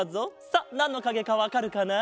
さっなんのかげかわかるかな？